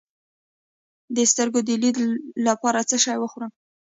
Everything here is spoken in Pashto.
د سترګو د لید لپاره باید څه شی وخورم؟